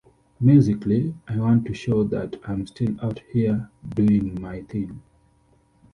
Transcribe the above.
Musically, I want to show that I'm still out here doing my thing.